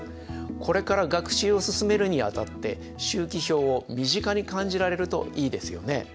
これから学習を進めるにあたって周期表を身近に感じられるといいですよね。